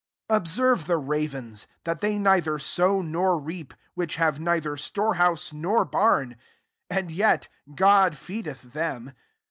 24 Ob serve the ravens, that they nei ther sow nor reap ; which have neither store house, nor bam ; and yet God feedeth them.